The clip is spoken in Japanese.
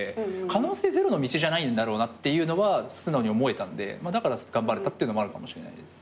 可能性ゼロの道じゃないんだろうなっていうのは素直に思えたんでだから頑張れたっていうのもあるかもしれないです。